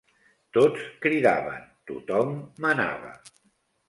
Tots cridaven, tot-hom manava